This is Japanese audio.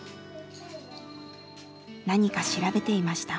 何か調べていました。